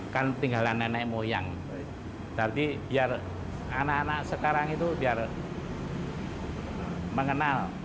kan tinggalan nenek moyang jadi biar anak anak sekarang itu biar mengenal